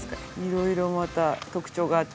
色々また特徴があって。